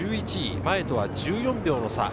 前とは１４秒の差。